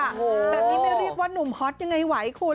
แบบนี้ไม่เรียกว่านุ่มฮอตยังไงไหวคุณ